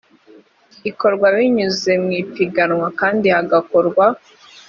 bikorwa binyuze mu ipiganwa kandi hagakorwa